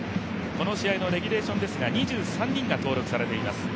この試合のレギュレーションですが２３人が登録されています。